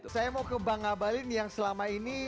saya mau ke bang abalin yang selama ini